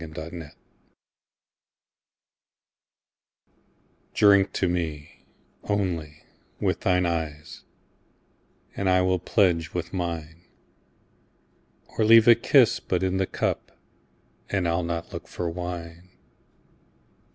Y Z To Celia DRINK to me, only, with thine eyes, And I will pledge with mine; Or leave a kiss but in the cup, And I'll not look for wine.